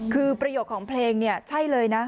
คือประโยคของเพลงเนี่ยใช่เลยนะ